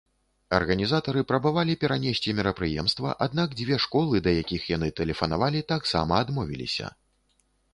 Арганізатары прабавалі перанесці мерапрыемства, аднак дзве школы, да якіх яны тэлефанавалі, таксама адмовіліся.